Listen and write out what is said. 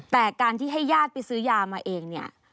แต่การที่ให้ญาติไปซื้อยามาเองเนี่ย